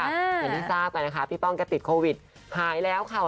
อย่างที่ทราบกันนะคะพี่ป้องแกติดโควิดหายแล้วค่ะ